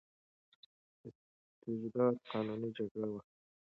استرداد قانوني جګړه وه.